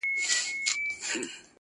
چي شال يې لوند سي د شړۍ مهتاجه سينه~